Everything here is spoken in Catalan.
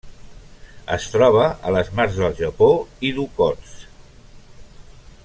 Es troba a les mars del Japó i d'Okhotsk.